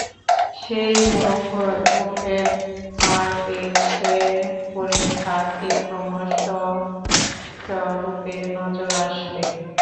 সেই মোহের মারপেঁচে পড়ে ঘা খেয়ে ক্রমশ স্ব-স্বরূপে নজর আসবে।